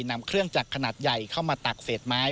นำเครื่องจักรขนาดใหญ่เข้ามาตักเศษไม้